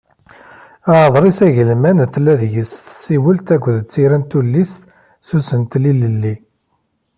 Aḍris agelman, tella deg-s tsiwelt akked tira n tullist, s usentel ilelli.